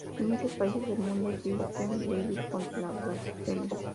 En muchos países del mundo existen leyes contra la blasfemia.